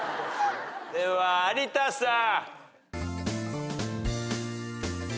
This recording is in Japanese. では有田さん。